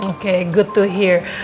oke bagus dengar